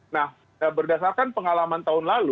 nah berdasarkan pengalaman tahun lalu